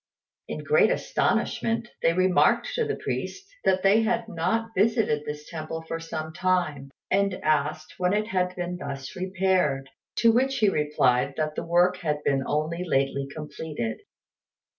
In great astonishment, they remarked to the priest that they had not visited this temple for some time, and asked when it had been thus repaired; to which he replied that the work had been only lately completed.